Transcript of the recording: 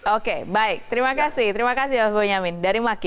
oke baik terima kasih terima kasih mas bonyamin dari maki